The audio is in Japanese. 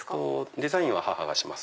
デザインは母がします。